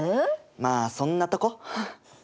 まあそんなとこ。